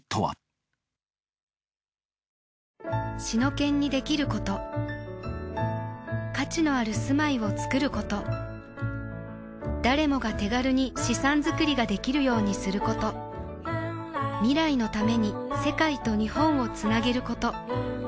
シノケンにできること価値のある住まいをつくること誰もが手軽に資産づくりができるようにすること未来のために世界と日本をつなげること